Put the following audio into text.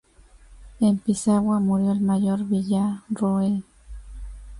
En Pisagua murió el mayor Villarroel.